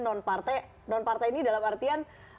non partai non partai ini dalam artian